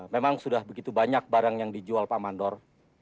memang sudah begitu banyak barang yang dijual pak mandor